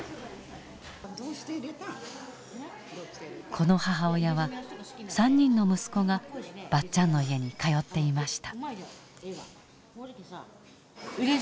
この母親は３人の息子がばっちゃんの家に通っていました。